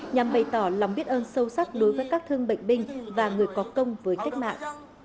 nhằm bày tỏ lòng biết ơn sâu sắc đối với các thương bệnh binh và người có công với cách mạng